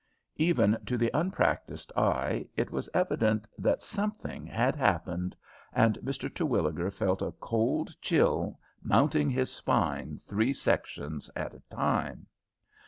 Even to the unpractised eye it was evident that something had happened, and Mr. Terwilliger felt a cold chill mounting his spine three sections at a time.